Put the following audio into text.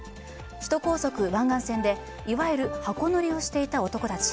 首都高速湾岸線で、いわゆる箱乗りをしていた男たち。